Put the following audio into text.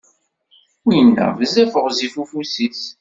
Winna, bezzaf ɣezzif ufus-is.